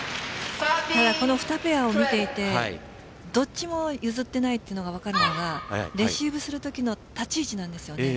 この２ペアを見ていてどっちも譲っていないと分かるのがレシーブするときの立ち位置なんですよね。